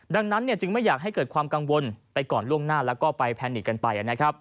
ดังนั้นจึงไม่อยากให้เกิดความกังวลไปก่อนล่วงหน้าแล้วก็ไปแพนิกกันไป